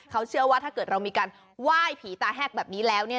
เขาเชื่อว่าถ้าเกิดเรามีการว่ายผีตาแห้กแบบนี้แล้ว